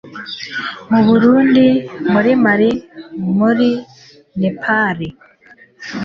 mu burundi, muri mali, muri nepal